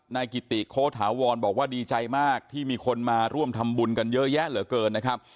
นายกิติโค้ถาวรบอกว่าดีใจมากที่มีคนมาร่วมทำบุญกันเยอะแยะเหลือเกินนะครับ